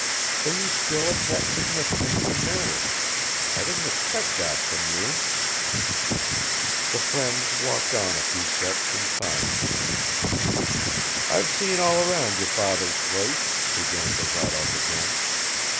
So you still attach significance to marriage; I didn't expect that from you." The friends walked on a few steps in silence. "I've seen all round your father's place," began Bazarov again.